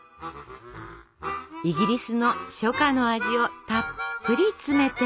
イギリスの初夏の味をたっぷり詰めて。